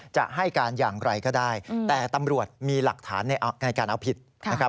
จะให้การอย่างไรก็ได้แต่ตำรวจมีหลักฐานในการเอาผิดนะครับ